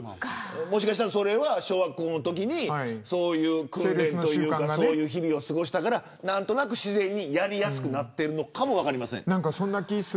もしかしたらそれは小学校のときにそういう訓練というか日々を過ごしたから何となく自然にやりやすくなっているのかも分かりません。